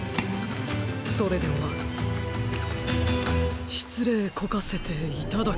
それではしつれいこかせていただきます。